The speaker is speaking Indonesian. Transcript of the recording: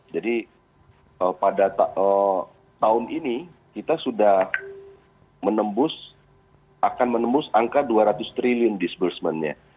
jadi pada tahun ini kita sudah menembus akan menembus angka dua ratus triliun disbursementnya